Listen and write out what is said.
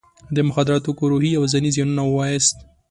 د مخدره توکو روحي او ځاني زیانونه ووایاست.